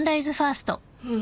うん。